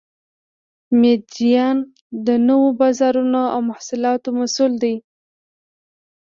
مدیران د نوو بازارونو او محصولاتو مسوول دي.